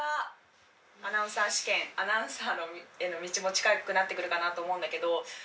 アナウンサー試験アナウンサーへの道も近くなってくるかなと思うんだけど。